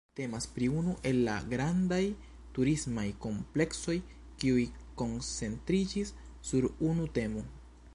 Temas pri unu el la grandaj turismaj kompleksoj kiuj koncentriĝis sur unu temo.